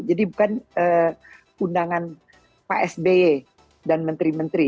jadi bukan undangan pak sby dan menteri menteri